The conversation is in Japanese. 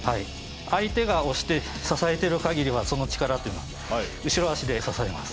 相手が押して支えてる限りはその力っていうのは後ろ足で支えます。